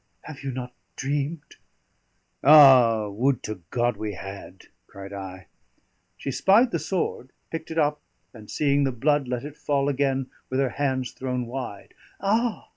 Have you not dreamed?" "Ah, would to God we had!" cried I. She spied the sword, picked it up, and seeing the blood, let it fall again with her hands thrown wide. "Ah!"